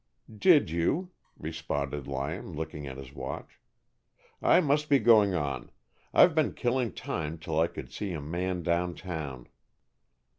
"Did you?" responded Lyon, looking at his watch. "I must be going on. I've been killing time till I could see a man down town."